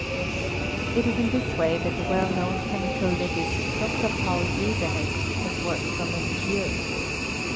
_ It is in this way that the well known chemical legist Dr. Paul 5 ae &. serich has worked for many years.